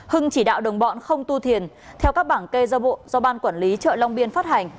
hưng chỉ đạo đồng bọn không tu thiền theo các bảng kê do bộ do ban quản lý chợ long biên phát hành